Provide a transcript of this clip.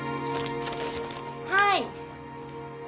はい。